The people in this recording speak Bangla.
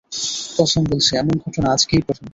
কসম বলছি, এমন ঘটনা আজকেই প্রথম।